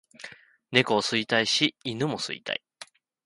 猫を吸いたいし犬も吸いたい